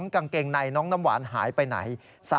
กางเกงในน้องน้ำหวานหายไปไหน